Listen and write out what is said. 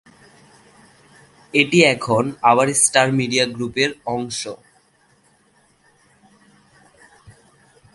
এটি এখন আবার স্টার মিডিয়া গ্রুপের অংশ।